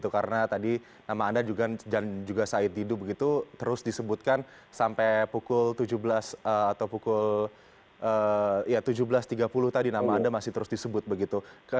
karena tadi nama anda juga said tidu terus disebutkan sampai pukul tujuh belas tiga puluh tadi nama anda masih terus disebut